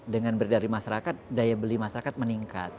dengan beredar di masyarakat daya beli masyarakat meningkat